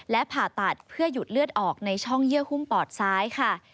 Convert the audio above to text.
และผ่าตัดเพื่อหยุดเลือดออกในช่องเยื่อหุ้มปอดซ้ายค่ะ